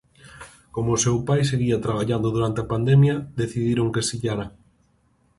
Como o seu pai seguía traballando durante a pandemia, decidiron que se illara.